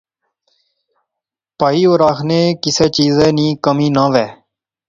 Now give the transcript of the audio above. پھئی ہور آخنے کسے چیزا نی کمی نہ وہے